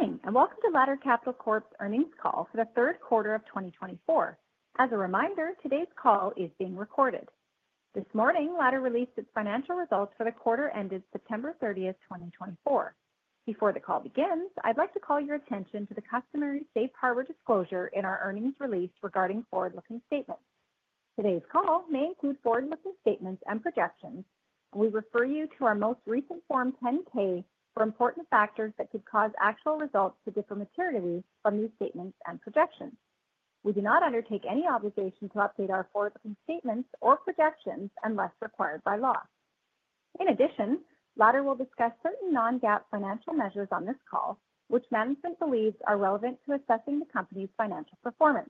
Good morning, and welcome to Ladder Capital Corp's earnings call for the third quarter of twenty twenty-four. As a reminder, today's call is being recorded. This morning, Ladder released its financial results for the quarter ended September thirtieth, twenty twenty-four. Before the call begins, I'd like to call your attention to the customary Safe Harbor disclosure in our earnings release regarding forward-looking statements. Today's call may include forward-looking statements and projections. We refer you to our most recent Form 10-K for important factors that could cause actual results to differ materially from these statements and projections. We do not undertake any obligation to update our forward-looking statements or projections unless required by law. In addition, Ladder will discuss certain non-GAAP financial measures on this call, which management believes are relevant to assessing the company's financial performance.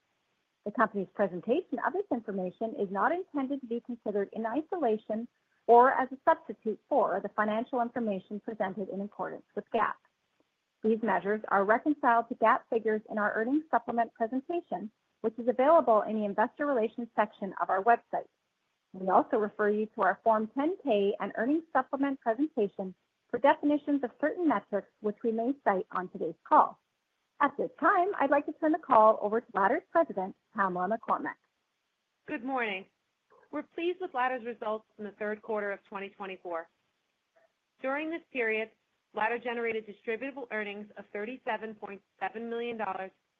The company's presentation of this information is not intended to be considered in isolation or as a substitute for the financial information presented in accordance with GAAP. These measures are reconciled to GAAP figures in our earnings supplement presentation, which is available in the investor relations section of our website. We also refer you to our Form 10-K and earnings supplement presentation for definitions of certain metrics, which we may cite on today's call. At this time, I'd like to turn the call over to Ladder's president, Pamela McCormack. Good morning. We're pleased with Ladder's results in the third quarter of 2024. During this period, Ladder generated distributable earnings of $37.7 million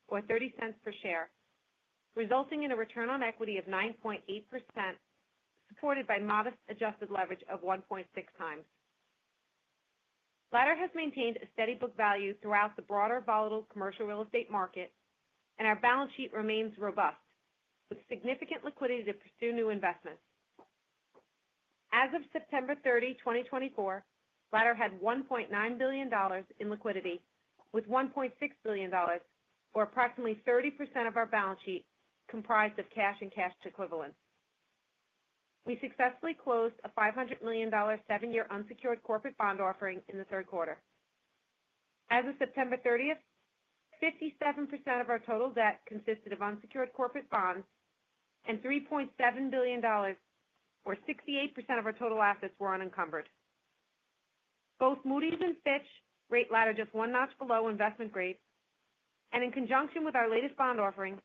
or $0.30 per share, resulting in a return on equity of 9.8%, supported by modest adjusted leverage of 1.6 times. Ladder has maintained a steady book value throughout the broader volatile commercial real estate market, and our balance sheet remains robust, with significant liquidity to pursue new investments. As of September 30, 2024, Ladder had $1.9 billion in liquidity, with $1.6 billion, or approximately 30% of our balance sheet, comprised of cash and cash equivalents. We successfully closed a $500 million seven-year unsecured corporate bond offering in the third quarter. As of September thirtieth, 57% of our total debt consisted of unsecured corporate bonds and $3.7 billion, or 68% of our total assets, were unencumbered. Both Moody's and Fitch rate Ladder just one notch below investment grade, and in conjunction with our latest bond offering,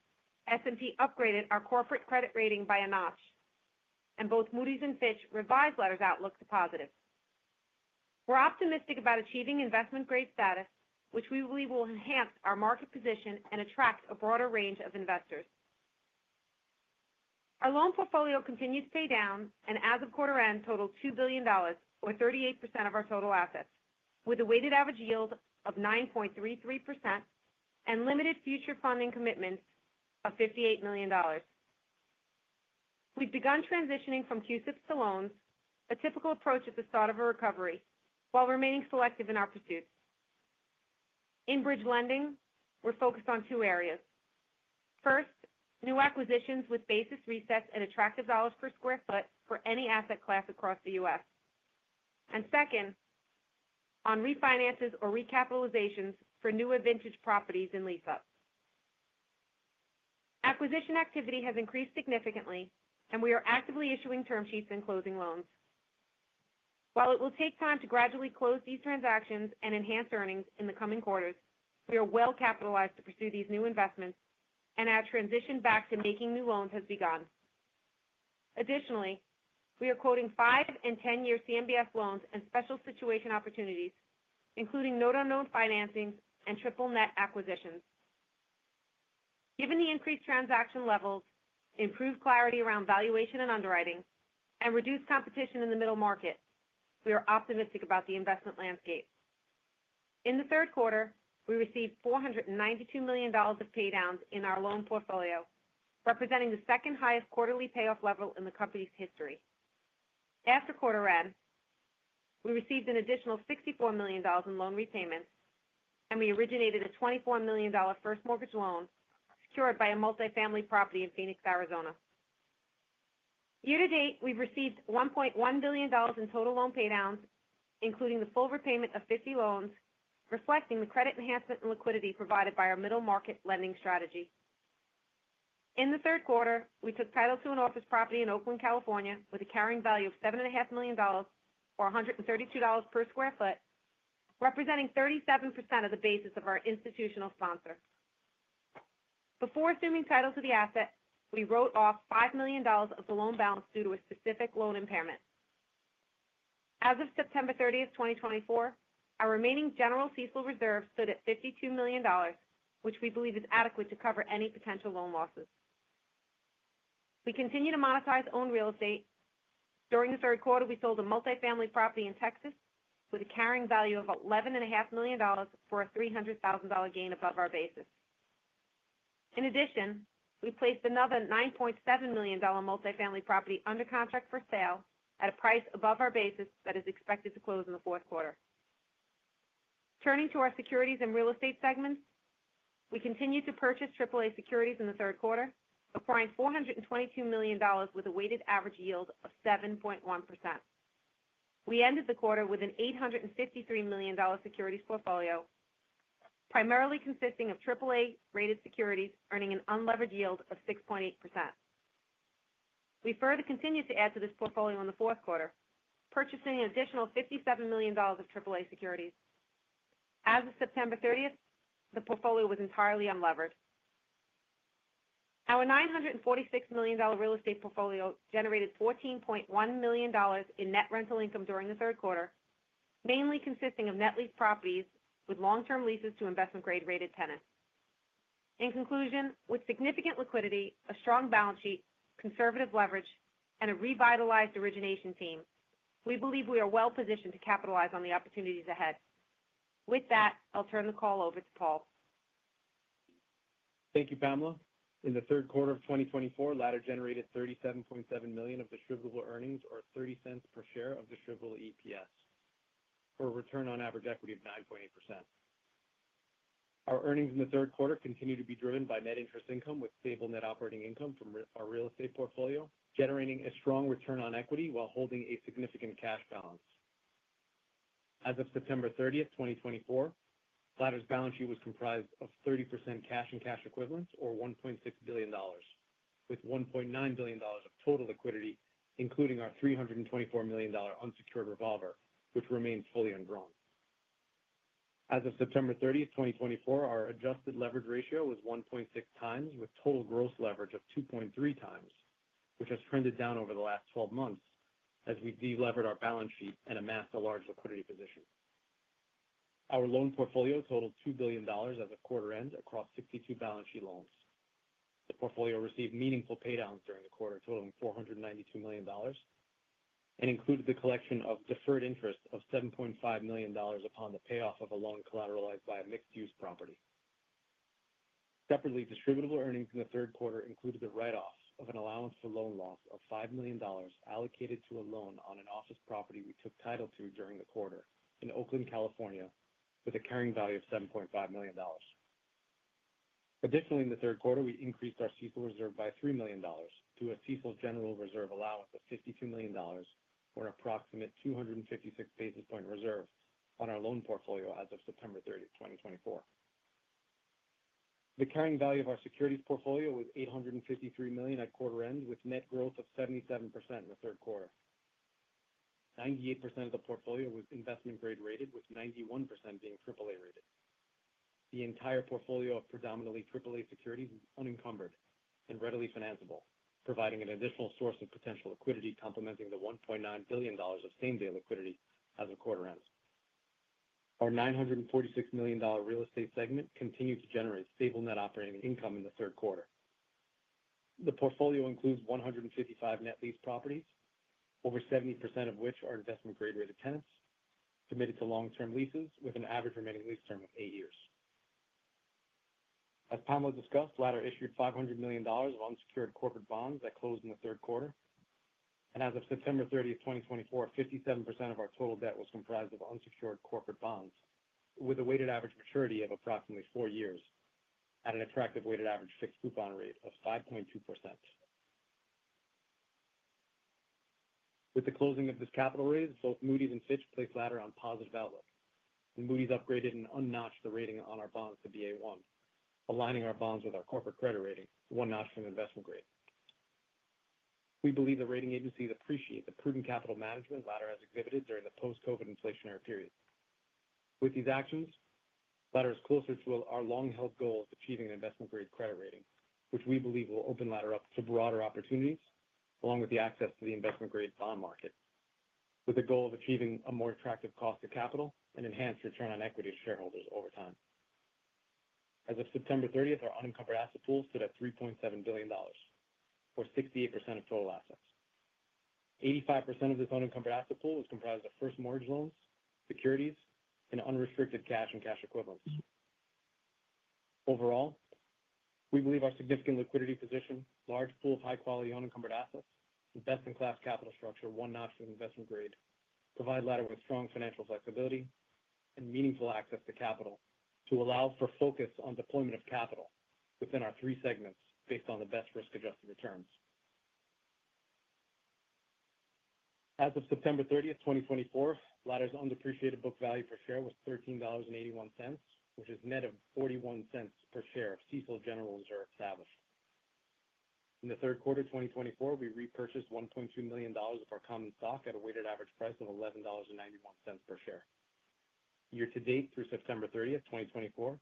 S&P upgraded our corporate credit rating by a notch, and both Moody's and Fitch revised Ladder's outlook to positive. We're optimistic about achieving investment grade status, which we believe will enhance our market position and attract a broader range of investors. Our loan portfolio continues to pay down and as of quarter end, totaled $2 billion, or 38% of our total assets, with a weighted average yield of 9.33% and limited future funding commitments of $58 million. We've begun transitioning from CUSIPs to loans, a typical approach at the start of a recovery, while remaining selective in our pursuits. In bridge lending, we're focused on two areas. First, new acquisitions with basis resets and attractive dollars per sq ft for any asset class across the U.S., and second, on refinances or recapitalizations for newer vintage properties and lease-ups. Acquisition activity has increased significantly, and we are actively issuing term sheets and closing loans. While it will take time to gradually close these transactions and enhance earnings in the coming quarters, we are well capitalized to pursue these new investments and our transition back to making new loans has begun. Additionally, we are quoting five- and 10-year CMBS loans and special situation opportunities, including note-on-note financings and triple net acquisitions. Given the increased transaction levels, improved clarity around valuation and underwriting, and reduced competition in the middle market, we are optimistic about the investment landscape. In the third quarter, we received $492 million of paydowns in our loan portfolio, representing the second highest quarterly payoff level in the company's history. After quarter end, we received an additional $64 million in loan repayments, and we originated a $24 million first mortgage loan secured by a multifamily property in Phoenix, Arizona. Year to date, we've received $1.1 billion in total loan paydowns, including the full repayment of 50 loans, reflecting the credit enhancement and liquidity provided by our middle-market lending strategy. In the third quarter, we took title to an office property in Oakland, California, with a carrying value of $7.5 million, or $132 per sq ft, representing 37% of the basis of our institutional sponsor. Before assuming title to the asset, we wrote off $5 million of the loan balance due to a specific loan impairment. As of September thirtieth, 2024, our remaining general CECL reserve stood at $52 million, which we believe is adequate to cover any potential loan losses. We continue to monetize owned real estate. During the third quarter, we sold a multifamily property in Texas with a carrying value of $11.5 million, for a $300,000 gain above our basis. In addition, we placed another $9.7 million multifamily property under contract for sale at a price above our basis that is expected to close in the fourth quarter. Turning to our securities and real estate segments, we continued to purchase AAA securities in the third quarter, acquiring $422 million with a weighted average yield of 7.1%. We ended the quarter with an $853 million securities portfolio, primarily consisting of AAA-rated securities, earning an unlevered yield of 6.8%. We further continued to add to this portfolio in the fourth quarter, purchasing an additional $57 million of AAA securities. As of September thirtieth, the portfolio was entirely unlevered. Our $946 million real estate portfolio generated $14.1 million in net rental income during the third quarter, mainly consisting of net leased properties with long-term leases to investment grade rated tenants. In conclusion, with significant liquidity, a strong balance sheet, conservative leverage, and a revitalized origination team, we believe we are well positioned to capitalize on the opportunities ahead. With that, I'll turn the call over to Paul. Thank you, Pamela. In the third quarter of 2024, Ladder generated $37.7 million of distributable earnings, or $0.30 per share of distributable EPS, for a return on average equity of 9.8%. Our earnings in the third quarter continued to be driven by net interest income, with stable net operating income from our real estate portfolio, generating a strong return on equity while holding a significant cash balance. As of September 30th, 2024, Ladder's balance sheet was comprised of 30% cash and cash equivalents, or $1.6 billion, with $1.9 billion of total liquidity, including our $324 million unsecured revolver, which remains fully undrawn. As of September 30th, 2024, our adjusted leverage ratio was 1.6 times, with total gross leverage of 2.3 times, which has trended down over the last 12 months as we delevered our balance sheet and amassed a large liquidity position. Our loan portfolio totaled $2 billion at the quarter end across 62 balance sheet loans. The portfolio received meaningful paydowns during the quarter, totaling $492 million, and included the collection of deferred interest of $7.5 million upon the payoff of a loan collateralized by a mixed-use property. Separately, distributable earnings in the third quarter included the write-off of an allowance for loan loss of $5 million allocated to a loan on an office property we took title to during the quarter in Oakland, California, with a carrying value of $7.5 million. Additionally, in the third quarter, we increased our CECL reserve by $3 million to a CECL general reserve allowance of $52 million, or an approximate 256 basis points reserve on our loan portfolio as of September thirtieth, 2024. The carrying value of our securities portfolio was $853 million at quarter end, with net growth of 77% in the third quarter. 98% of the portfolio was investment grade rated, with 91% being AAA rated. The entire portfolio of predominantly AAA securities is unencumbered and readily financeable, providing an additional source of potential liquidity, complementing the $1.9 billion of same-day liquidity as of quarter end. Our $946 million real estate segment continued to generate stable net operating income in the third quarter. The portfolio includes 155 net leased properties, over 70% of which are investment grade rated tenants, committed to long-term leases with an average remaining lease term of 8 years. As Pamela discussed, Ladder issued $500 million of unsecured corporate bonds that closed in the third quarter, and as of September 30th, 2024, 57% of our total debt was comprised of unsecured corporate bonds, with a weighted average maturity of approximately 4 years at an attractive weighted average fixed coupon rate of 5.2%. With the closing of this capital raise, both Moody's and Fitch placed Ladder on positive outlook, and Moody's upgraded and unnotched the rating on our bonds to Ba1, aligning our bonds with our corporate credit rating, one notch from investment grade. We believe the rating agencies appreciate the prudent capital management Ladder has exhibited during the post-COVID inflationary period. With these actions, Ladder is closer to our long-held goal of achieving an investment-grade credit rating, which we believe will open Ladder up to broader opportunities, along with the access to the investment-grade bond market, with the goal of achieving a more attractive cost of capital and enhanced return on equity to shareholders over time. As of September thirtieth, our unencumbered asset pool stood at $3.7 billion, or 68% of total assets. 85% of this unencumbered asset pool is comprised of first mortgage loans, securities, and unrestricted cash and cash equivalents. Overall, we believe our significant liquidity position, large pool of high-quality unencumbered assets, and best-in-class capital structure, one notch from investment grade, provide Ladder with strong financial flexibility and meaningful access to capital to allow for focus on deployment of capital within our three segments based on the best risk-adjusted returns. As of September thirtieth, 2024, Ladder's undepreciated book value per share was $13.81, which is net of $0.41 per share of CECL general reserve established. In the third quarter of 2024, we repurchased $1.2 million of our common stock at a weighted average price of $11.91 per share. Year to date, through September thirtieth, 2024,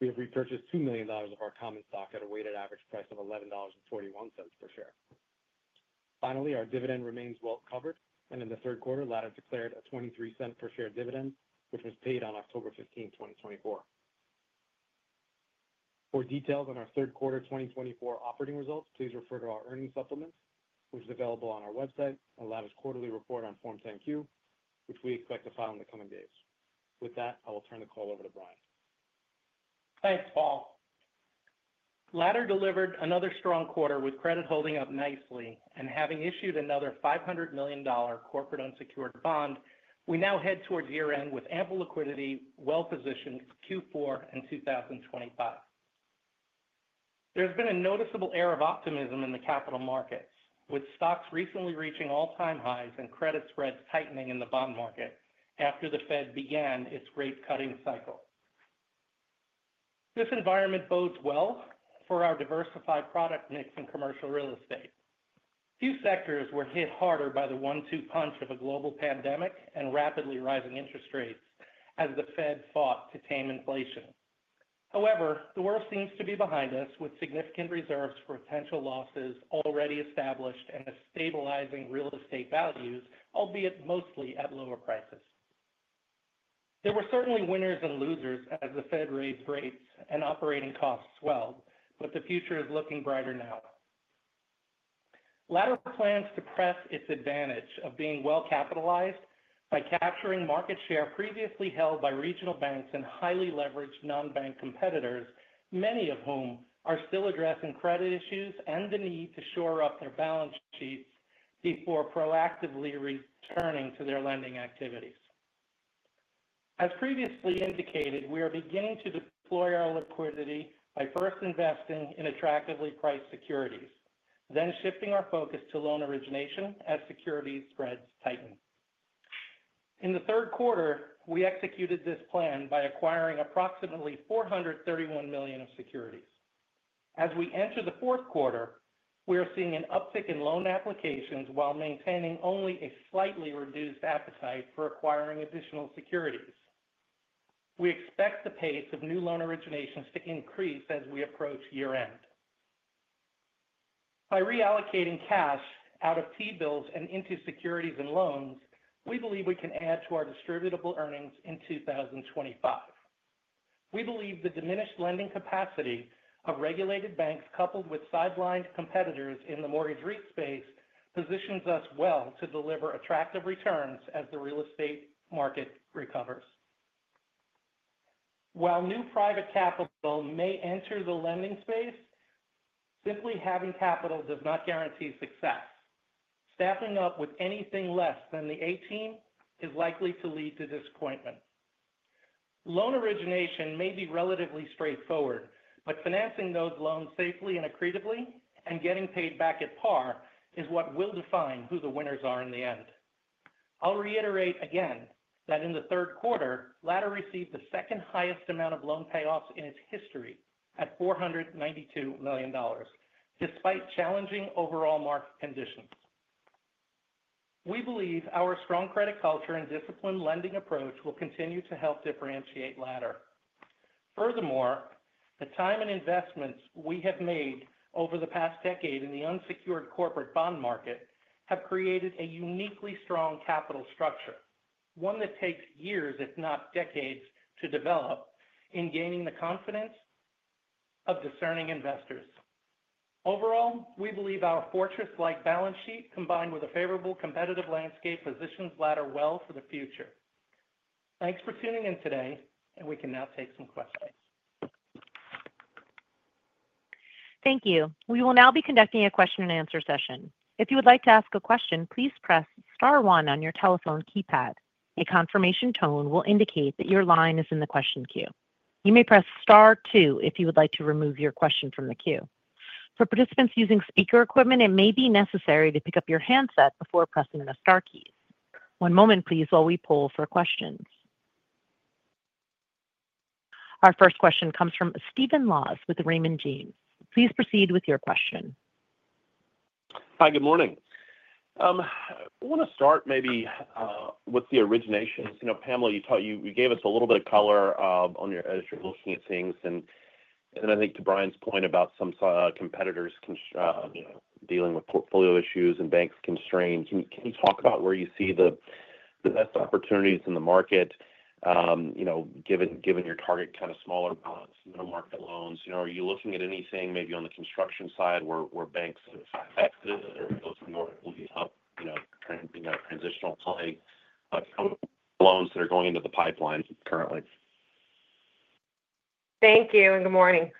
we have repurchased $2 million of our common stock at a weighted average price of $11.41 per share. Finally, our dividend remains well covered, and in the third quarter, Ladder declared a $0.23 per share dividend, which was paid on October fifteenth, 2024. For details on our third quarter 2024 operating results, please refer to our earnings supplement, which is available on our website, and Ladder's quarterly report on Form 10-Q, which we expect to file in the coming days. With that, I will turn the call over to Brian. Thanks, Paul. Ladder delivered another strong quarter, with credit holding up nicely and having issued another $500 million corporate unsecured bond. We now head towards year-end with ample liquidity, well-positioned for Q4 and 2025. There's been a noticeable air of optimism in the capital markets, with stocks recently reaching all-time highs and credit spreads tightening in the bond market after the Fed began its rate-cutting cycle. ... This environment bodes well for our diversified product mix in commercial real estate. Few sectors were hit harder by the one-two punch of a global pandemic and rapidly rising interest rates as the Fed fought to tame inflation. However, the worst seems to be behind us, with significant reserves for potential losses already established and a stabilizing real estate values, albeit mostly at lower prices. There were certainly winners and losers as the Fed raised rates and operating costs swelled, but the future is looking brighter now. Ladder plans to press its advantage of being well-capitalized by capturing market share previously held by regional banks and highly leveraged non-bank competitors, many of whom are still addressing credit issues and the need to shore up their balance sheets before proactively returning to their lending activities. As previously indicated, we are beginning to deploy our liquidity by first investing in attractively priced securities, then shifting our focus to loan origination as security spreads tighten. In the third quarter, we executed this plan by acquiring approximately $431 million of securities. As we enter the fourth quarter, we are seeing an uptick in loan applications while maintaining only a slightly reduced appetite for acquiring additional securities. We expect the pace of new loan originations to increase as we approach year-end. By reallocating cash out of T-bills and into securities and loans, we believe we can add to our distributable earnings in 2025. We believe the diminished lending capacity of regulated banks, coupled with sidelined competitors in the mortgage REIT space, positions us well to deliver attractive returns as the real estate market recovers. While new private capital may enter the lending space, simply having capital does not guarantee success. Staffing up with anything less than the A-team is likely to lead to disappointment. Loan origination may be relatively straightforward, but financing those loans safely and accretively and getting paid back at par is what will define who the winners are in the end. I'll reiterate again that in the third quarter, Ladder received the second highest amount of loan payoffs in its history at $492 million, despite challenging overall market conditions. We believe our strong credit culture and disciplined lending approach will continue to help differentiate Ladder. Furthermore, the time and investments we have made over the past decade in the unsecured corporate bond market have created a uniquely strong capital structure, one that takes years, if not decades, to develop in gaining the confidence of discerning investors. Overall, we believe our fortress-like balance sheet, combined with a favorable competitive landscape, positions Ladder well for the future. Thanks for tuning in today, and we can now take some questions. Thank you. We will now be conducting a question and answer session. If you would like to ask a question, please press star one on your telephone keypad. A confirmation tone will indicate that your line is in the question queue. You may press star two if you would like to remove your question from the queue. For participants using speaker equipment, it may be necessary to pick up your handset before pressing the star keys. One moment, please, while we poll for questions. Our first question comes from Steven Laws with Raymond James. Please proceed with your question. Hi, good morning. I want to start maybe with the originations. You know, Pamela, you talked - you gave us a little bit of color on, as you're looking at things, and I think to Brian's point about some competitors, you know, dealing with portfolio issues and banks constraints, can you talk about where you see the best opportunities in the market, you know, given your target kind of smaller balance, middle-market loans? You know, are you looking at anything maybe on the construction side, where banks have exited, or are you looking more at, you know, transitional financing loans that are going into the pipeline currently? Thank you, and good morning.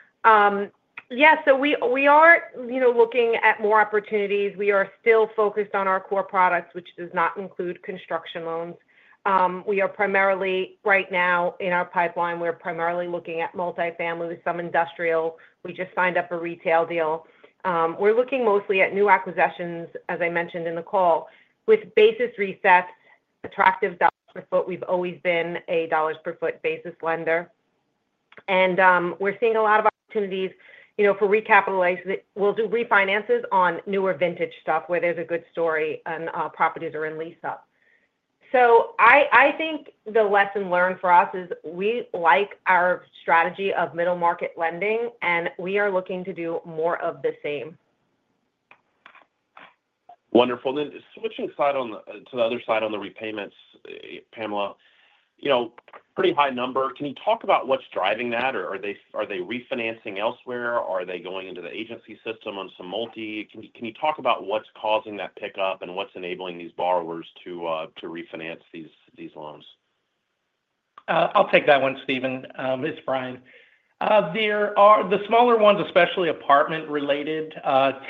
Yes, so we are, you know, looking at more opportunities. We are still focused on our core products, which does not include construction loans. We are primarily, right now, in our pipeline, we're primarily looking at multifamily, some industrial. We just signed up a retail deal. We're looking mostly at new acquisitions, as I mentioned in the call, with basis resets, attractive dollars per foot. We've always been a dollars-per-foot basis lender. And, we're seeing a lot of opportunities, you know. We'll do refinances on newer vintage stuff, where there's a good story and, properties are in lease up. So I think the lesson learned for us is, we like our strategy of middle-market lending, and we are looking to do more of the same. Wonderful. Then to the other side on the repayments, Pamela, you know, pretty high number. Can you talk about what's driving that, or are they refinancing elsewhere? Are they going into the agency system on some multi? Can you talk about what's causing that pickup and what's enabling these borrowers to refinance these loans? I'll take that one, Steven. It's Brian. There are the smaller ones, especially apartment-related,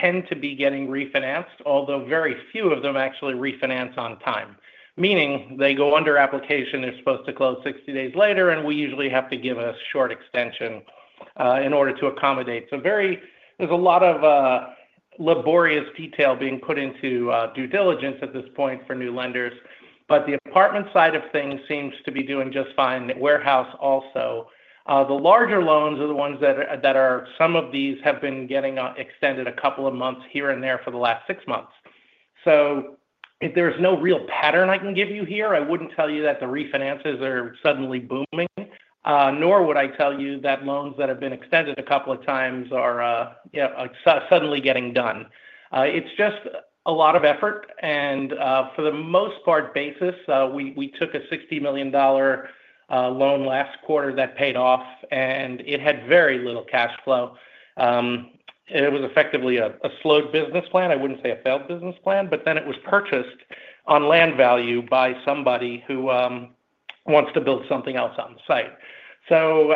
tend to be getting refinanced, although very few of them actually refinance on time. Meaning they go under application, they're supposed to close 60 days later, and we usually have to give a short extension in order to accommodate. So there's a lot of, you know, laborious detail being put into due diligence at this point for new lenders. But the apartment side of things seems to be doing just fine, the warehouse also. The larger loans are the ones that are some of these have been getting extended a couple of months here and there for the last six months. So there's no real pattern I can give you here. I wouldn't tell you that the refinances are suddenly booming, nor would I tell you that loans that have been extended a couple of times are, you know, suddenly getting done. It's just a lot of effort and, for the most part basis, we took a $60 million loan last quarter that paid off, and it had very little cash flow. And it was effectively a slowed business plan. I wouldn't say a failed business plan, but then it was purchased on land value by somebody who wants to build something else on the site. So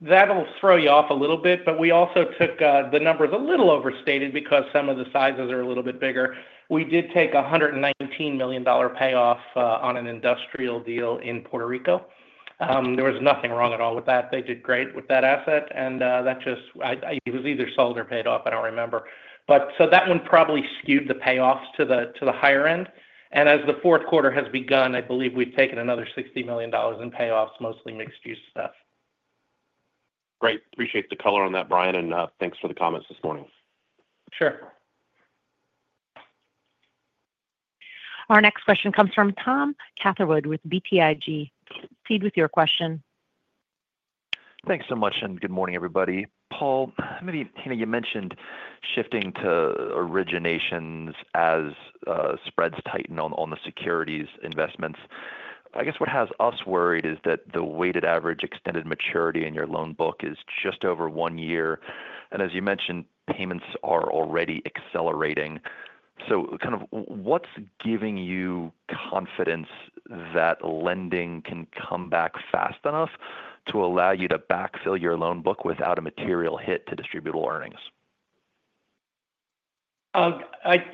that'll throw you off a little bit, but we also took the numbers a little overstated because some of the sizes are a little bit bigger. We did take $119 million dollar payoff on an industrial deal in Puerto Rico. There was nothing wrong at all with that. They did great with that asset, and it was either sold or paid off, I don't remember, but so that one probably skewed the payoffs to the higher end, and as the fourth quarter has begun, I believe we've taken another $60 million dollars in payoffs, mostly mixed-use stuff. Great. Appreciate the color on that, Brian, and thanks for the comments this morning. Sure. Our next question comes from Tom Catherwood with BTIG. Proceed with your question. Thanks so much, and good morning, everybody. Paul, maybe, you know, you mentioned shifting to originations as spreads tighten on the securities investments. I guess what has us worried is that the weighted average extended maturity in your loan book is just over one year, and as you mentioned, payments are already accelerating. So kind of what's giving you confidence that lending can come back fast enough to allow you to backfill your loan book without a material hit to distributable earnings?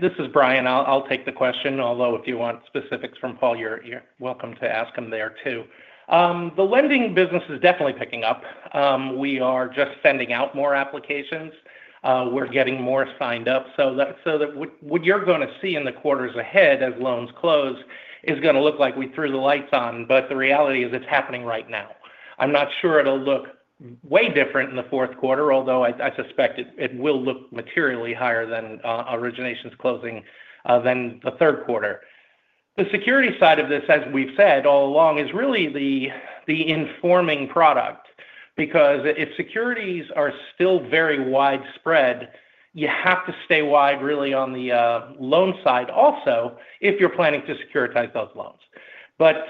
This is Brian. I'll take the question, although if you want specifics from Paul, you're welcome to ask him there, too. The lending business is definitely picking up. We are just sending out more applications. We're getting more signed up. So that what you're gonna see in the quarters ahead as loans close is gonna look like we threw the lights on, but the reality is it's happening right now. I'm not sure it'll look way different in the fourth quarter, although I suspect it will look materially higher than originations closing than the third quarter. The security side of this, as we've said all along, is really the informing product because if securities are still very widespread, you have to stay wide, really, on the loan side also, if you're planning to securitize those loans, but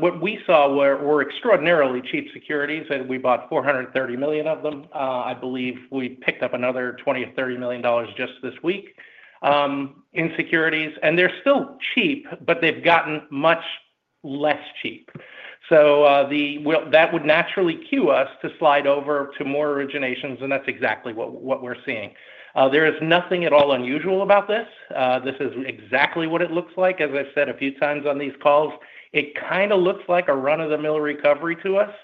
what we saw were extraordinarily cheap securities, and we bought $430 million of them. I believe we picked up another $20-$30 million just this week in securities, and they're still cheap, but they've gotten much less cheap, so that would naturally cue us to slide over to more originations, and that's exactly what we're seeing. There is nothing at all unusual about this. This is exactly what it looks like. As I've said a few times on these calls, it kind of looks like a run-of-the-mill recovery to us.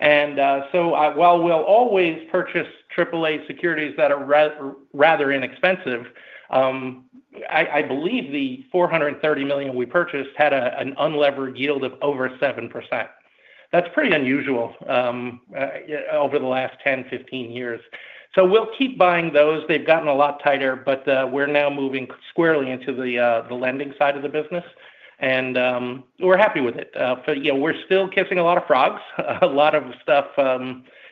While we'll always purchase triple-A securities that are rather inexpensive, I believe the $430 million we purchased had an unlevered yield of over 7%. That's pretty unusual over the last 10, 15 years, so we'll keep buying those. They've gotten a lot tighter, but we're now moving squarely into the lending side of the business, and we're happy with it, but you know, we're still kissing a lot of frogs. A lot of stuff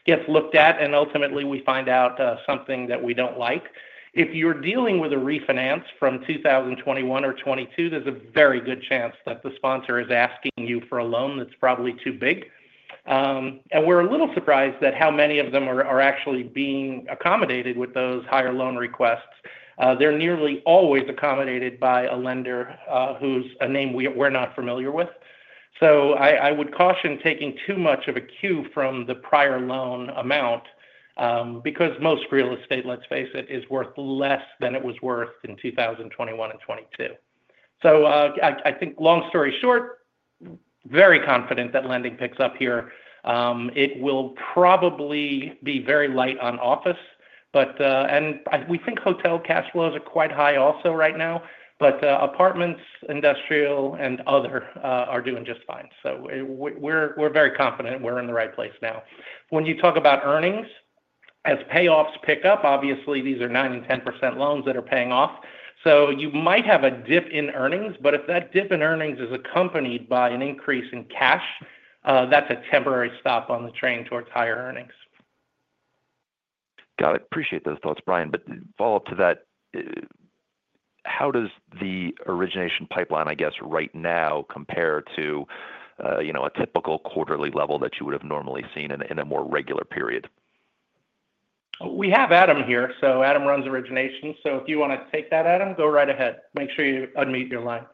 gets looked at, and ultimately we find out something that we don't like. If you're dealing with a refinance from 2021 or 2022, there's a very good chance that the sponsor is asking you for a loan that's probably too big. And we're a little surprised at how many of them are actually being accommodated with those higher loan requests. They're nearly always accommodated by a lender, who's a name we're not familiar with. So I would caution taking too much of a cue from the prior loan amount, because most real estate, let's face it, is worth less than it was worth in 2021 and 2022. So I think long story short, very confident that lending picks up here. It will probably be very light on office, but, and we think hotel cash flows are quite high also right now, but apartments, industrial, and other are doing just fine. So we're very confident we're in the right place now. When you talk about earnings, as payoffs pick up, obviously, these are 9% and 10% loans that are paying off, so you might have a dip in earnings, but if that dip in earnings is accompanied by an increase in cash, that's a temporary stop on the train towards higher earnings. Got it. Appreciate those thoughts, Brian, but follow-up to that, how does the origination pipeline, I guess, right now, compare to, you know, a typical quarterly level that you would have normally seen in a more regular period? We have Adam here. So Adam runs origination. So if you wanna take that, Adam, go right ahead. Make sure you unmute your line.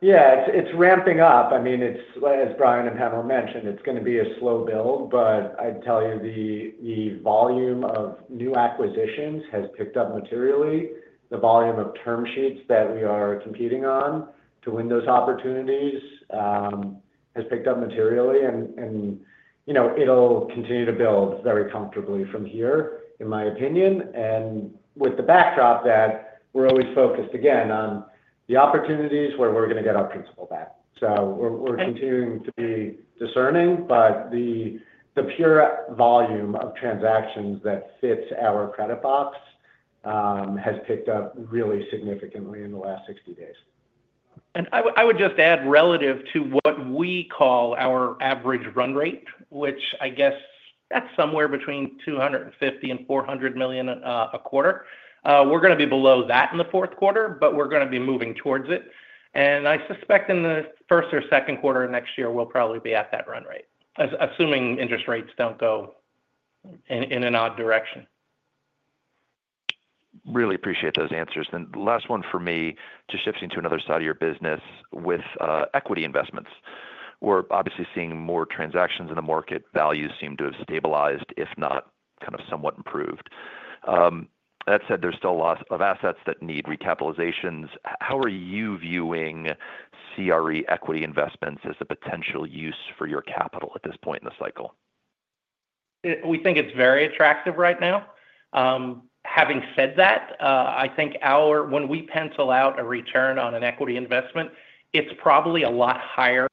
Yeah, it's ramping up. I mean, it's as Brian and Pamela mentioned, it's gonna be a slow build, but I'd tell you, the volume of new acquisitions has picked up materially. The volume of term sheets that we are competing on to win those opportunities has picked up materially, and you know, it'll continue to build very comfortably from here, in my opinion, and with the backdrop that we're always focused, again, on the opportunities where we're gonna get our principal back. So we're continuing to be discerning, but the pure volume of transactions that fits our credit box has picked up really significantly in the last sixty days. And I would just add relative to what we call our average run rate, which I guess that's somewhere between $250-$400 million a quarter. We're gonna be below that in the fourth quarter, but we're gonna be moving towards it. And I suspect in the first or second quarter of next year, we'll probably be at that run rate, assuming interest rates don't go in an odd direction. Really appreciate those answers, then the last one for me, just shifting to another side of your business with equity investments. We're obviously seeing more transactions in the market. Values seem to have stabilized, if not, kind of somewhat improved. That said, there's still a lot of assets that need recapitalizations. How are you viewing CRE equity investments as a potential use for your capital at this point in the cycle? We think it's very attractive right now. Having said that, I think when we pencil out a return on an equity investment, it's probably a lot higher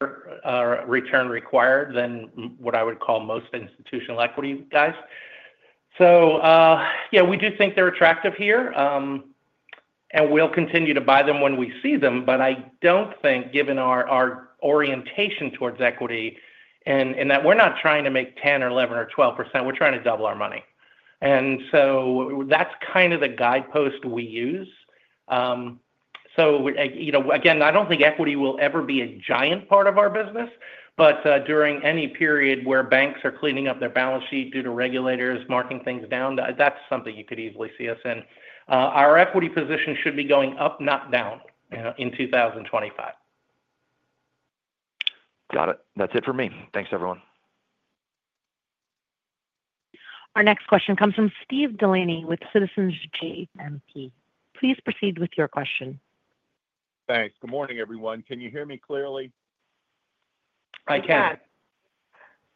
return required than what I would call most institutional equity guys. So, yeah, we do think they're attractive here, and we'll continue to buy them when we see them, but I don't think, given our orientation towards equity, and that we're not trying to make 10 or 11 or 12%, we're trying to double our money. And so that's kind of the guidepost we use. So, you know, again, I don't think equity will ever be a giant part of our business, but during any period where banks are cleaning up their balance sheet due to regulators marking things down, that's something you could easily see us in. Our equity position should be going up, not down, you know, in 2025. Got it. That's it for me. Thanks, everyone. Our next question comes from Steve Delaney with Citizens JMP. Please proceed with your question. Thanks. Good morning, everyone. Can you hear me clearly? I can. I can.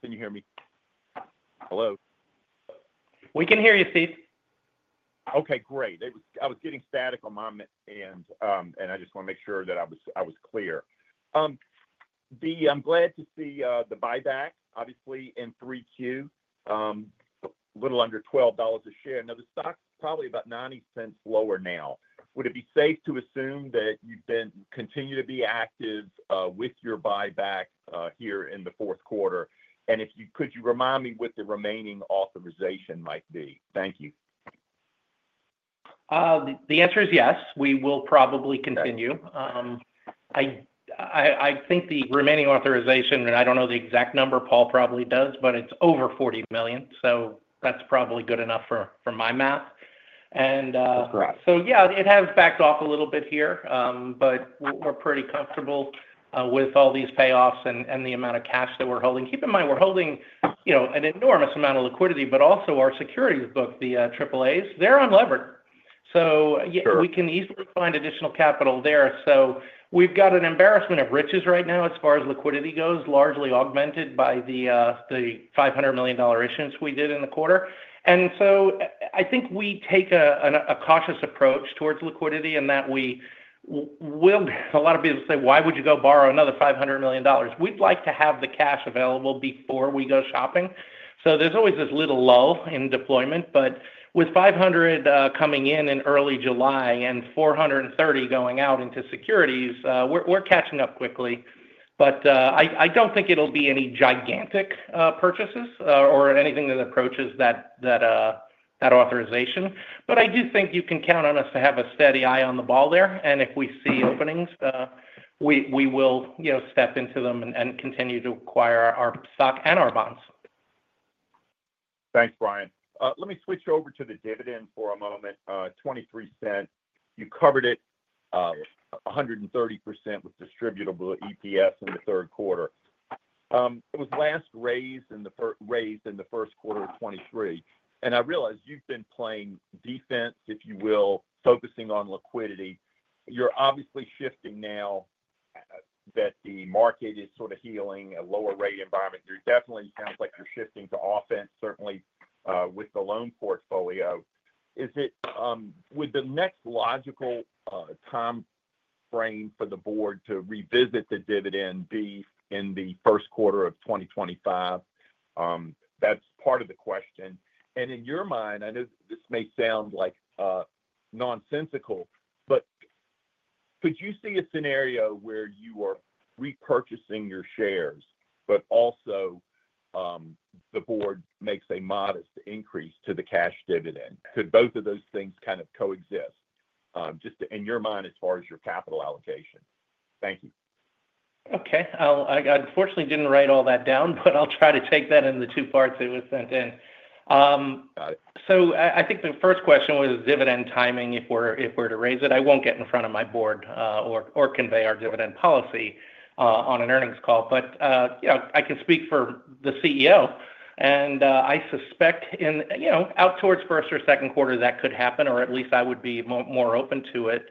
Can you hear me? Hello? We can hear you, Steve. Okay, great. I was getting static on my end, and I just wanna make sure that I was clear. I'm glad to see the buyback, obviously, in 3Q, a little under $12 a share. Now, the stock's probably about $0.90 lower now. Would it be safe to assume that you continue to be active with your buyback here in the fourth quarter? And could you remind me what the remaining authorization might be? Thank you. The answer is yes. We will probably continue. Okay. I think the remaining authorization, and I don't know the exact number, Paul probably does, but it's over $40 million, so that's probably good enough for my math. That's correct. So, yeah, it has backed off a little bit here, but we're pretty comfortable with all these payoffs and the amount of cash that we're holding. Keep in mind, we're holding, you know, an enormous amount of liquidity, but also our securities book, the triple As, they're unlevered. So- Sure... we can easily find additional capital there. So we've got an embarrassment of riches right now as far as liquidity goes, largely augmented by the $500 million issuance we did in the quarter. And so I think we take a cautious approach towards liquidity, and that we will. A lot of people say, "Why would you go borrow another $500 million?" We'd like to have the cash available before we go shopping. So there's always this little lull in deployment, but with $500 coming in in early July and $430 going out into securities, we're catching up quickly. But I don't think it'll be any gigantic purchases or anything that approaches that authorization. But I do think you can count on us to have a steady eye on the ball there, and if we see openings, we will, you know, step into them and continue to acquire our stock and our bonds. Thanks, Brian. Let me switch over to the dividend for a moment, $0.23. You covered it 130% with distributable EPS in the third quarter. It was last raised in the first quarter of 2023, and I realize you've been playing defense, if you will, focusing on liquidity. You're obviously shifting now that the market is sort of healing, a lower rate environment. You're definitely sounds like you're shifting to offense, certainly with the loan portfolio. Is it would the next logical timeframe for the board to revisit the dividend be in the first quarter of 2025? That's part of the question. In your mind, I know this may sound like nonsensical, but could you see a scenario where you are repurchasing your shares, but also, the board makes a modest increase to the cash dividend? Could both of those things kind of coexist, just in your mind as far as your capital allocation? Thank you. Okay. I unfortunately didn't write all that down, but I'll try to take that into two parts it was sent in. So I think the first question was dividend timing, if we're to raise it. I won't get in front of my board, or convey our dividend policy on an earnings call. But you know, I can speak for the CEO. And I suspect in you know, out towards first or second quarter, that could happen, or at least I would be more open to it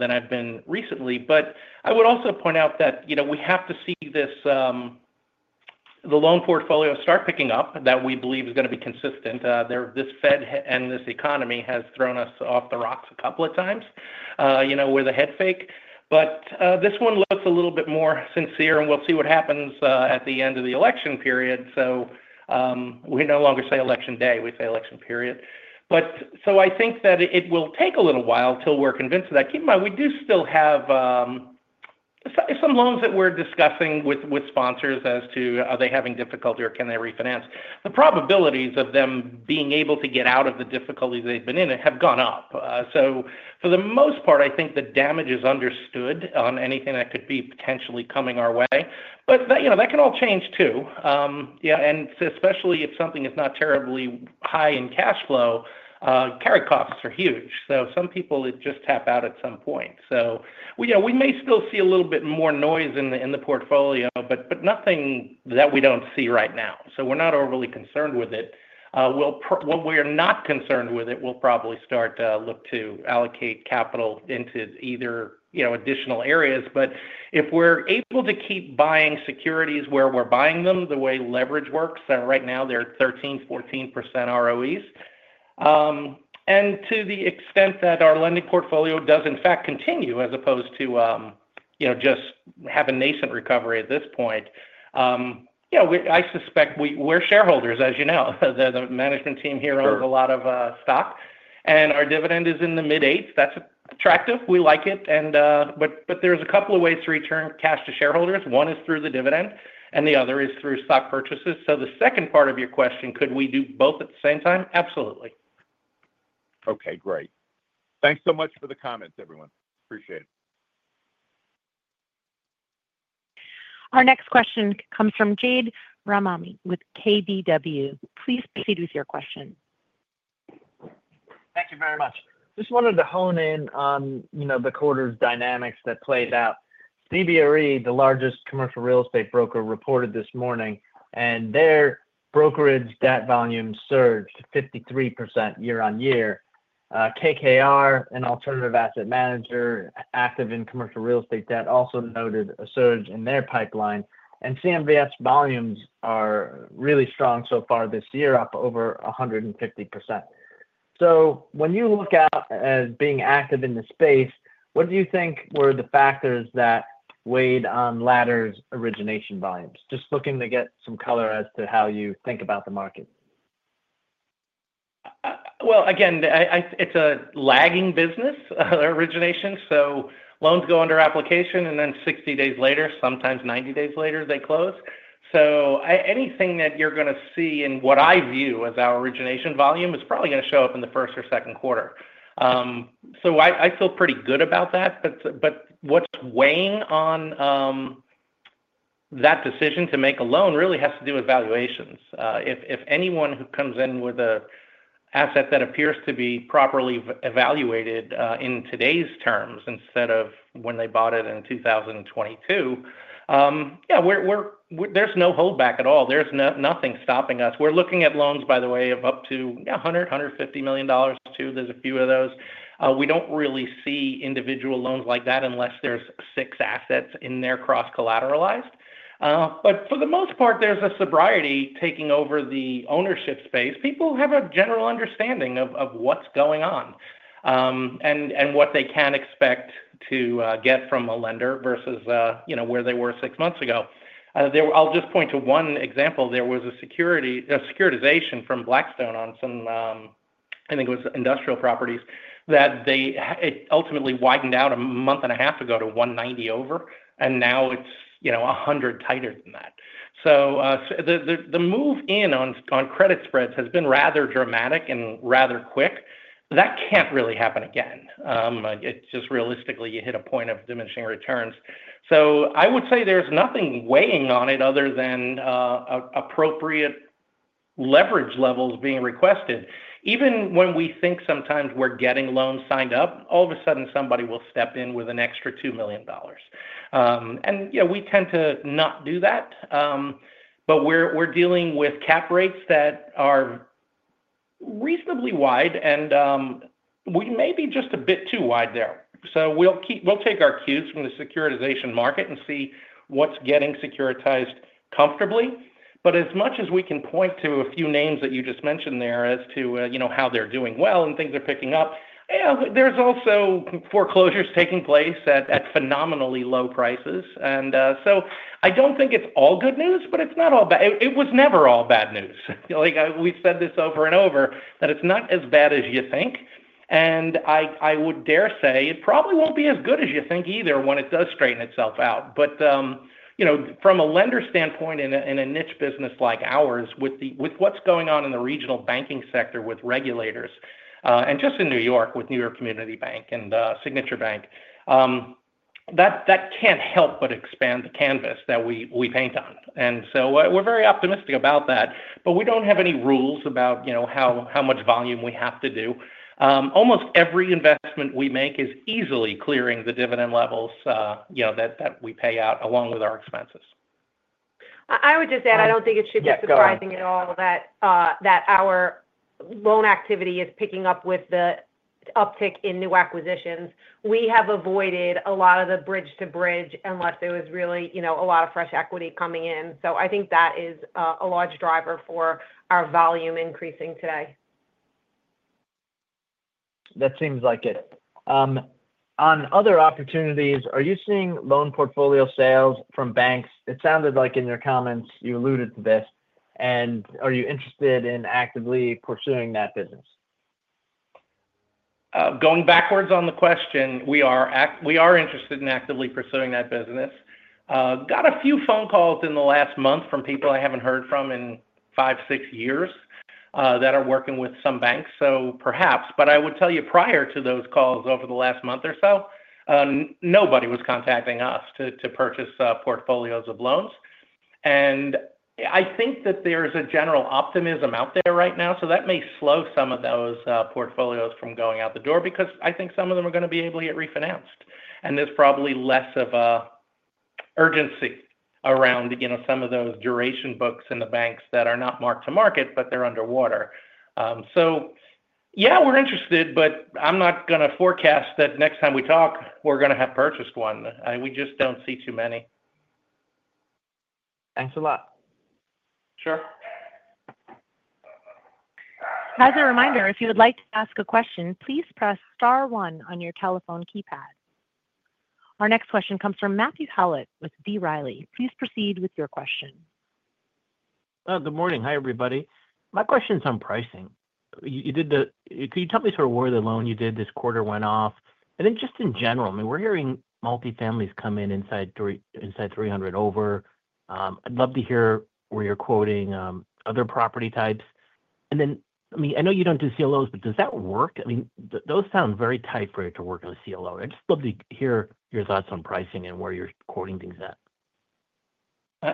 than I've been recently. But I would also point out that you know, we have to see this the loan portfolio start picking up, that we believe is gonna be consistent. This Fed and this economy has thrown us off the rocks a couple of times, you know, with a head fake. But this one looks a little bit more sincere, and we'll see what happens at the end of the election period. We no longer say election day, we say election period. I think that it will take a little while till we're convinced of that. Keep in mind, we do still have some loans that we're discussing with sponsors as to are they having difficulty or can they refinance? The probabilities of them being able to get out of the difficulty they've been in have gone up. So for the most part, I think the damage is understood on anything that could be potentially coming our way. But you know, that can all change too. Yeah, and especially if something is not terribly high in cash flow, carry costs are huge. So some people, it just tap out at some point. So, we know we may still see a little bit more noise in the portfolio, but nothing that we don't see right now. So we're not overly concerned with it. When we're not concerned with it, we'll probably start to look to allocate capital into either, you know, additional areas. But if we're able to keep buying securities where we're buying them, the way leverage works, right now, they're 13%-14% ROEs. And to the extent that our lending portfolio does in fact continue as opposed to, you know, just have a nascent recovery at this point, you know, I suspect we're shareholders, as you know. The management team here- Sure... owns a lot of stock, and our dividend is in the mid-eights. That's attractive. We like it, and but there's a couple of ways to return cash to shareholders. One is through the dividend, and the other is through stock purchases. So the second part of your question, could we do both at the same time? Absolutely. Okay, great. Thanks so much for the comments, everyone. Appreciate it. Our next question comes from Jade Rahmani with KBW. Please proceed with your question. Thank you very much. Just wanted to hone in on, you know, the quarter's dynamics that played out. CBRE, the largest commercial real estate broker, reported this morning, and their brokerage debt volume surged 53% year on year. KKR, an alternative asset manager, active in commercial real estate debt, also noted a surge in their pipeline, and CMBS volumes are really strong so far this year, up over 150%. So when you look out as being active in the space, what do you think were the factors that weighed on Ladder's origination volumes? Just looking to get some color as to how you think about the market. Again, it is a lagging business, origination, so loans go under application, and then sixty days later, sometimes ninety days later, they close. So anything that you are gonna see in what I view as our origination volume is probably gonna show up in the first or second quarter. So I feel pretty good about that, but what is weighing on that decision to make a loan really has to do with valuations. If anyone who comes in with an asset that appears to be properly evaluated in today's terms, instead of when they bought it in 2022, yeah, we are. There is no holdback at all. There is nothing stopping us. We are looking at loans, by the way, of up to $100-$150 million, too. There is a few of those. We don't really see individual loans like that unless there's six assets in there, cross-collateralized. But for the most part, there's a sobriety taking over the ownership space. People have a general understanding of what's going on, and what they can expect to get from a lender versus, you know, where they were six months ago. I'll just point to one example. There was a security, a securitization from Blackstone on some, I think it was industrial properties, that it ultimately widened out a month and a half ago to one ninety over, and now it's, you know, a hundred tighter than that. So, the move in on credit spreads has been rather dramatic and rather quick. That can't really happen again. It's just realistically, you hit a point of diminishing returns. So I would say there's nothing weighing on it other than appropriate leverage levels being requested. Even when we think sometimes we're getting loans signed up, all of a sudden somebody will step in with an extra $2 million. And, you know, we tend to not do that, but we're dealing with cap rates that are reasonably wide and we may be just a bit too wide there. So we'll take our cues from the securitization market and see what's getting securitized comfortably. But as much as we can point to a few names that you just mentioned there as to, you know, how they're doing well and things are picking up, yeah, there's also foreclosures taking place at phenomenally low prices. And so I don't think it's all good news, but it's not all bad. It was never all bad news. Like, we've said this over and over, that it's not as bad as you think, and I would dare say it probably won't be as good as you think either when it does straighten itself out, but you know, from a lender standpoint in a niche business like ours, with what's going on in the regional banking sector, with regulators, and just in New York, with New York Community Bank and Signature Bank, that can't help but expand the canvas that we paint on, and so we're very optimistic about that, but we don't have any rules about, you know, how much volume we have to do. Almost every investment we make is easily clearing the dividend levels, you know, that, that we pay out along with our expenses.... I would just add, I don't think it should be surprising- Yeah, go on. -at all that, that our loan activity is picking up with the uptick in new acquisitions. We have avoided a lot of the bridge-to-bridge, unless there was really, you know, a lot of fresh equity coming in. So I think that is, a large driver for our volume increasing today. That seems like it. On other opportunities, are you seeing loan portfolio sales from banks? It sounded like in your comments you alluded to this, and are you interested in actively pursuing that business? Going backwards on the question, we are interested in actively pursuing that business. Got a few phone calls in the last month from people I haven't heard from in five, six years, that are working with some banks, so perhaps, but I would tell you, prior to those calls over the last month or so, nobody was contacting us to purchase portfolios of loans, and I think that there's a general optimism out there right now, so that may slow some of those portfolios from going out the door, because I think some of them are gonna be able to get refinanced, and there's probably less of a urgency around, you know, some of those duration books in the banks that are not marked to market, but they're underwater. So yeah, we're interested, but I'm not gonna forecast that next time we talk, we're gonna have purchased one. We just don't see too many. Thanks a lot. Sure. As a reminder, if you would like to ask a question, please press star one on your telephone keypad. Our next question comes from Matt Howlett with B. Riley. Please proceed with your question. Good morning. Hi, everybody. My question's on pricing. Could you tell me sort of where the loan you did this quarter went off? And then just in general, I mean, we're hearing multi-families come in inside three hundred over. I'd love to hear where you're quoting other property types. And then, I mean, I know you don't do CLOs, but does that work? I mean, those sound very tight for it to work on a CLO. I'd just love to hear your thoughts on pricing and where you're quoting things at.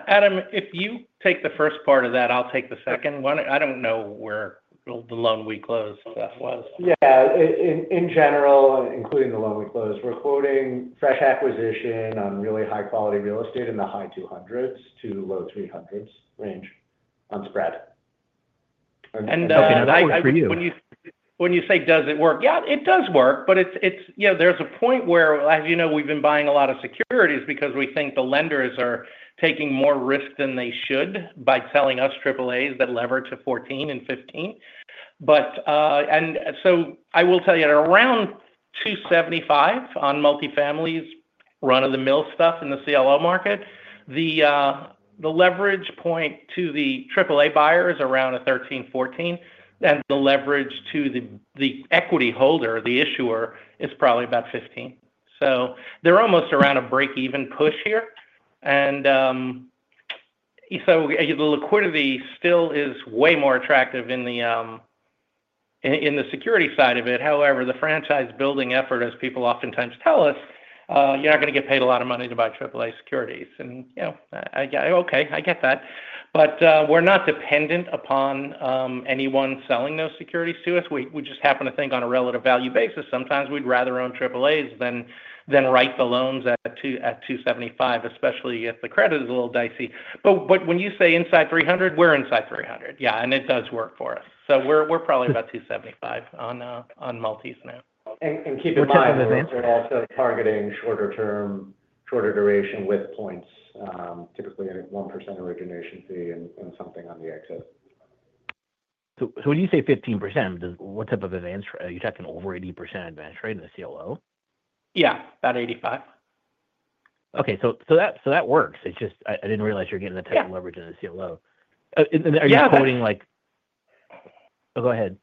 Adam, if you take the first part of that, I'll take the second one. I don't know where the loan we closed was. Yeah. In general, including the loan we closed, we're quoting fresh acquisition on really high-quality real estate in the high 200s to low 300s range on spread. And, uh- And, uh- Okay, that works for you.... when you, when you say, "Does it work?" Yeah, it does work, but it's, it's, you know, there's a point where, as you know, we've been buying a lot of securities because we think the lenders are taking more risk than they should by selling us Triple A's that lever to fourteen and fifteen. But... And so I will tell you, at around two seventy-five on multi-families, run-of-the-mill stuff in the CLO market, the leverage point to the Triple A buyer is around a thirteen, fourteen, and the leverage to the equity holder, the issuer, is probably about fifteen. So they're almost around a break-even push here. And, so the liquidity still is way more attractive in the, in the security side of it. However, the franchise-building effort, as people oftentimes tell us, you're not gonna get paid a lot of money to buy Triple A securities. And, you know, Okay, I get that. But, we're not dependent upon anyone selling those securities to us. We just happen to think on a relative value basis, sometimes we'd rather own Triple A's than write the loans at two seventy-five, especially if the credit is a little dicey. But when you say inside three hundred, we're inside three hundred. Yeah, and it does work for us. So we're probably about two seventy-five on multis now. Keep in mind- What type of event? We're also targeting shorter term, shorter duration with points, typically a 1% origination fee and something on the exit. When you say 15%, what type of advance rate? Are you talking over 80% advance rate in the CLO? Yeah, about eighty-five. Okay. So that works. It's just I didn't realize you were getting the- Yeah... type of leverage in the CLO. Yeah... are you quoting, like... Oh, go ahead.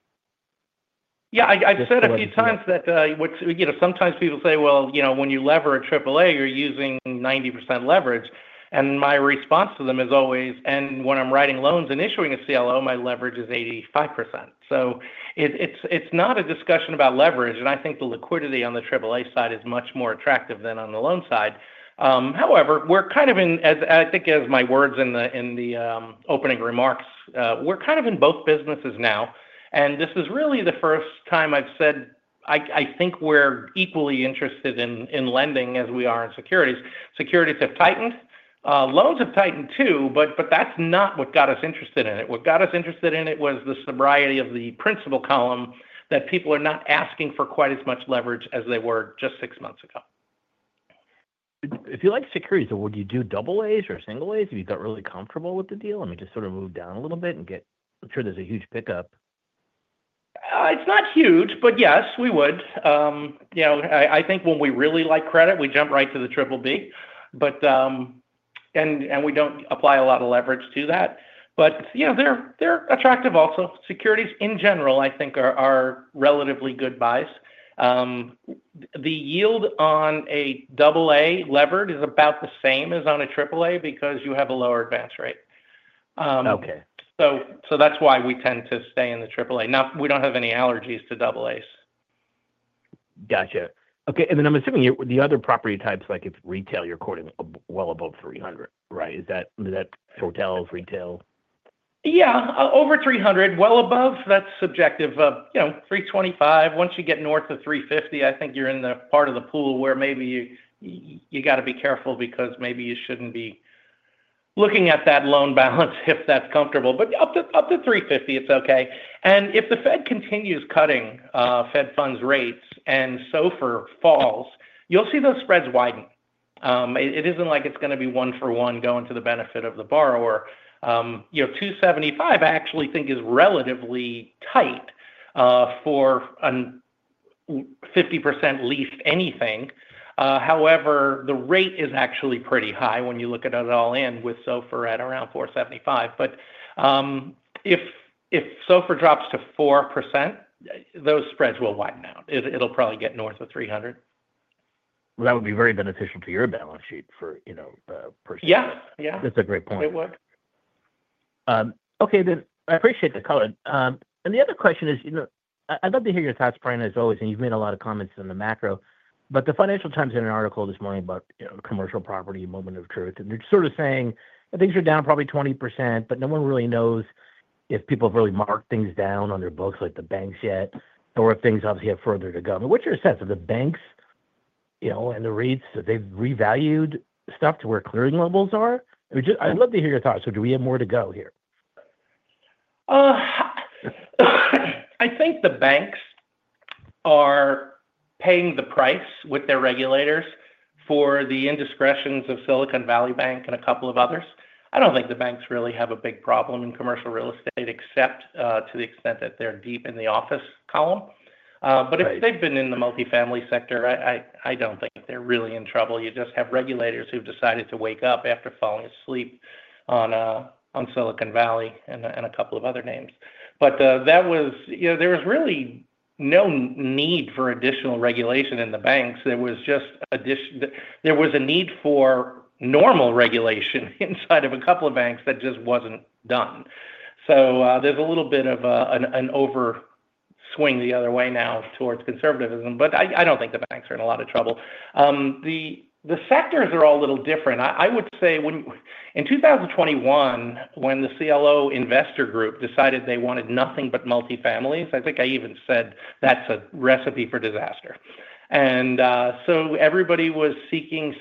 Yeah, I've said a few times that, which, you know, sometimes people say, "Well, you know, when you lever a Triple A, you're using 90% leverage." And my response to them is always, "And when I'm writing loans and issuing a CLO, my leverage is 85%." So it's not a discussion about leverage, and I think the liquidity on the Triple A side is much more attractive than on the loan side. However, we're kind of in, as I think as my words in the opening remarks, we're kind of in both businesses now, and this is really the first time I've said I think we're equally interested in lending as we are in securities. Securities have tightened, loans have tightened too, but that's not what got us interested in it. What got us interested in it was the sobriety of the principal column, that people are not asking for quite as much leverage as they were just six months ago. If you like securities, would you do double A's or single A's, if you got really comfortable with the deal? I mean, just sort of move down a little bit and get... I'm sure there's a huge pickup. It's not huge, but yes, we would. You know, I think when we really like credit, we jump right to the Triple B. But, and we don't apply a lot of leverage to that. But, you know, they're attractive also. Securities, in general, I think are relatively good buys. The yield on a double A levered is about the same as on a Triple A, because you have a lower advance rate. Okay. So, that's why we tend to stay in the Triple A. We don't have any allergies to double A's. Gotcha. Okay, and then I'm assuming the other property types, like if retail, you're quoting well above three hundred, right? Is that, is that hotels, retail? Yeah, over 300, well above, that's subjective. You know, 325. Once you get north of 350, I think you're in the part of the pool where maybe you gotta be careful because maybe you shouldn't be looking at that loan balance, if that's comfortable, but up to 350, it's okay, and if the Fed continues cutting Fed funds rates and SOFR falls, you'll see those spreads widen. It isn't like it's gonna be one for one going to the benefit of the borrower. You know, 275, I actually think is relatively tight for 50% lease anything. However, the rate is actually pretty high when you look at it all in with SOFR at around 4.75, but if SOFR drops to 4%, those spreads will widen out. It'll probably get north of 300. That would be very beneficial to your balance sheet for, you know, personally. Yeah. Yeah. That's a great point. It would. Okay, then I appreciate the color, and the other question is, you know, I'd love to hear your thoughts, Brian, as always, and you've made a lot of comments on the macro, but the Financial Times had an article this morning about, you know, Commercial Property Moment of Truth, and they're sort of saying that things are down probably 20%, but no one really knows if people have really marked things down on their books like the banks yet, or if things obviously have further to go, but what's your sense? Are the banks, you know, and the REITs, have they revalued stuff to where clearing levels are? I mean, I'd love to hear your thoughts, so do we have more to go here? I think the banks are paying the price with their regulators for the indiscretions of Silicon Valley Bank and a couple of others. I don't think the banks really have a big problem in commercial real estate, except, to the extent that they're deep in the office column. Right... but if they've been in the multifamily sector, I don't think they're really in trouble. You know, there was really no need for additional regulation in the banks. There was a need for normal regulation inside of a couple of banks that just wasn't done. So, there's a little bit of an overswing the other way now towards conservatism, but I don't think the banks are in a lot of trouble. The sectors are all a little different. I would say when in two thousand twenty-one, when the CLO investor group decided they wanted nothing but multifamily, I think I even said, "That's a recipe for disaster." And so everybody was seeking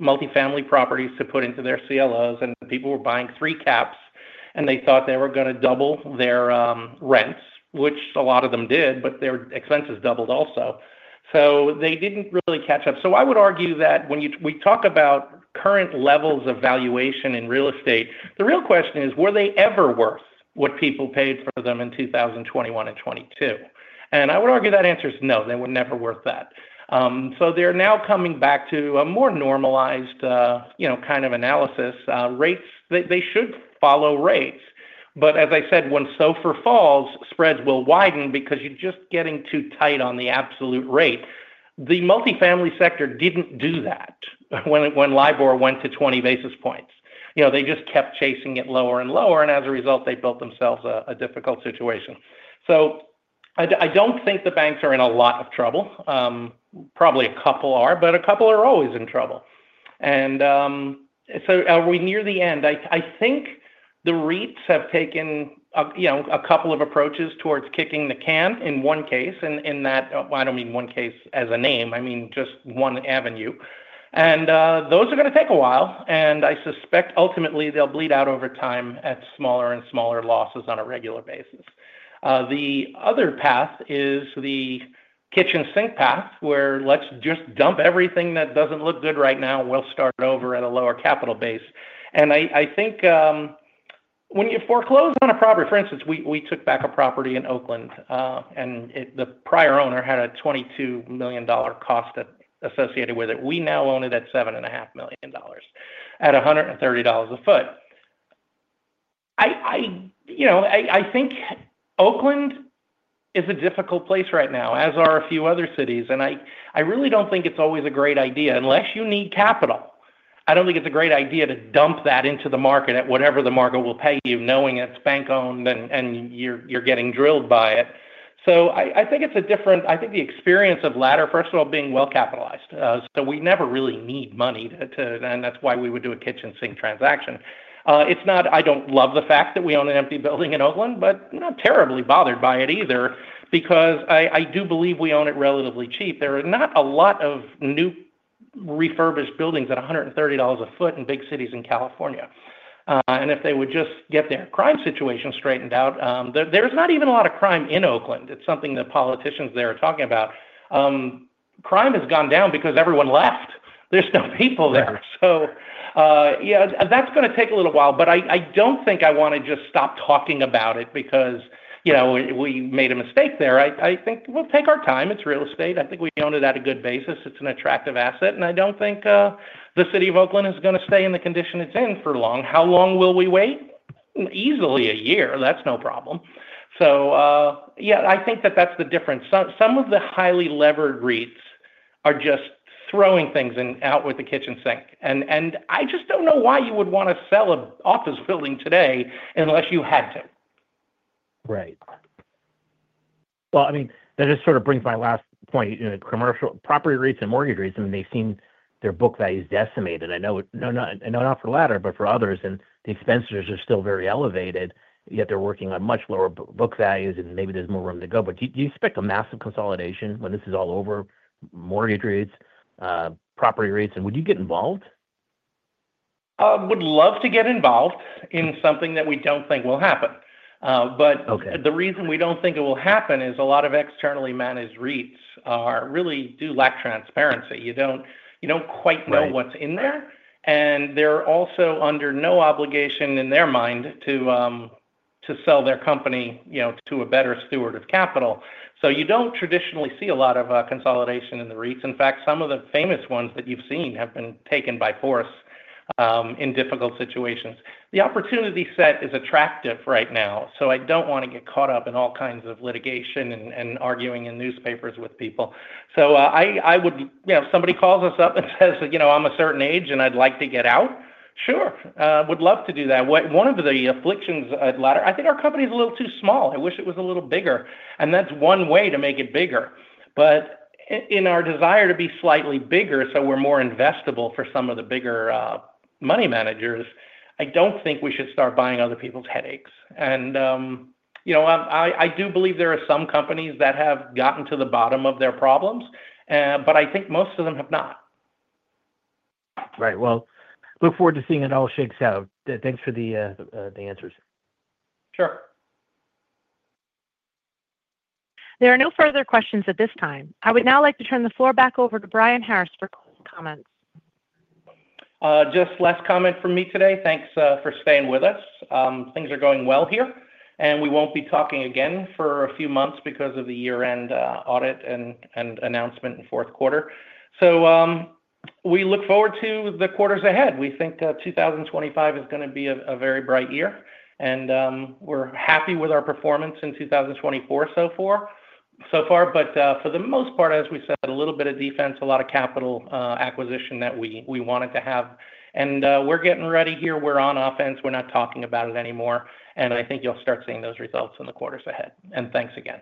multifamily properties to put into their CLOs, and people were buying three caps, and they thought they were gonna double their rents, which a lot of them did, but their expenses doubled also. So they didn't really catch up. So I would argue that when we talk about current levels of valuation in real estate, the real question is: were they ever worth what people paid for them in two thousand twenty-one and twenty-two? And I would argue that answer is no, they were never worth that. So they're now coming back to a more normalized you know kind of analysis. Rates, they should follow rates. But as I said, when SOFR falls, spreads will widen because you're just getting too tight on the absolute rate. The multifamily sector didn't do that when it, when LIBOR went to 20 basis points. You know, they just kept chasing it lower and lower, and as a result, they built themselves a difficult situation. So I don't think the banks are in a lot of trouble. Probably a couple are, but a couple are always in trouble. And so are we near the end? I think the REITs have taken a, you know, a couple of approaches towards kicking the can in one case, and in that. I don't mean one case as a name, I mean just one avenue. Those are gonna take a while, and I suspect ultimately they'll bleed out over time at smaller and smaller losses on a regular basis. The other path is the kitchen sink path, where let's just dump everything that doesn't look good right now. We'll start over at a lower capital base. I think when you foreclose on a property. For instance, we took back a property in Oakland, and the prior owner had a $22 million cost associated with it. We now own it at $7.5 million, at $130 a foot. You know, I think Oakland is a difficult place right now, as are a few other cities, and I really don't think it's always a great idea. Unless you need capital, I don't think it's a great idea to dump that into the market at whatever the market will pay you, knowing it's bank-owned and you're getting drilled by it. So I think it's a different. I think the experience of Ladder, first of all, being well capitalized, so we never really need money to. And that's why we would do a kitchen sink transaction. It's not. I don't love the fact that we own an empty building in Oakland, but I'm not terribly bothered by it either, because I do believe we own it relatively cheap. There are not a lot of new refurbished buildings at $130 a foot in big cities in California. And if they would just get their crime situation straightened out. There, there's not even a lot of crime in Oakland. It's something that politicians there are talking about. Crime has gone down because everyone left. There's no people there. So, yeah, that's gonna take a little while, but I don't think I wanna just stop talking about it because, you know, we made a mistake there. I think we'll take our time. It's real estate. I think we own it at a good basis. It's an attractive asset, and I don't think the city of Oakland is gonna stay in the condition it's in for long. How long will we wait? Easily a year, that's no problem. So, yeah, I think that that's the difference. Some of the highly levered REITs are just throwing things and out with the kitchen sink, and I just don't know why you would wanna sell an office building today unless you had to. Right. Well, I mean, that just sort of brings my last point. You know, commercial property REITs and mortgage REITs, and they've seen their book values decimated. I know not for Ladder, but for others, and the expenses are still very elevated, yet they're working on much lower book values, and maybe there's more room to go. But do you expect a massive consolidation when this is all over, mortgage REITs, property REITs, and would you get involved? Would love to get involved in something that we don't think will happen, but- Okay. The reason we don't think it will happen is a lot of externally managed REITs are, really do lack transparency. You don't, you don't quite know- Right... what's in there, and they're also under no obligation in their mind to sell their company, you know, to a better steward of capital. So you don't traditionally see a lot of consolidation in the REITs. In fact, some of the famous ones that you've seen have been taken by force in difficult situations. The opportunity set is attractive right now, so I don't wanna get caught up in all kinds of litigation and arguing in newspapers with people. So I would... You know, if somebody calls us up and says, "You know, I'm a certain age, and I'd like to get out," sure, would love to do that. One of the afflictions at Ladder, I think our company is a little too small. I wish it was a little bigger, and that's one way to make it bigger. But in our desire to be slightly bigger, so we're more investable for some of the bigger money managers, I don't think we should start buying other people's headaches. And you know, I do believe there are some companies that have gotten to the bottom of their problems, but I think most of them have not. Right. Well, look forward to seeing how it all shakes out. Thanks for the answers. Sure. There are no further questions at this time. I would now like to turn the floor back over to Brian Harris for closing comments. Just last comment from me today. Thanks, for staying with us. Things are going well here, and we won't be talking again for a few months because of the year-end audit and announcement in fourth quarter. So, we look forward to the quarters ahead. We think, two thousand and twenty-five is gonna be a very bright year, and, we're happy with our performance in two thousand and twenty-four so far. But, for the most part, as we said, a little bit of defense, a lot of capital acquisition that we wanted to have. And, we're getting ready here. We're on offense. We're not talking about it anymore, and I think you'll start seeing those results in the quarters ahead. And thanks again.